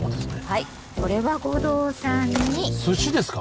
はいこれは護道さんに寿司ですか！？